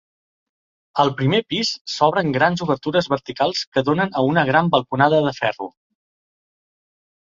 Al primer pis s'obren grans obertures verticals que donen a una gran balconada de ferro.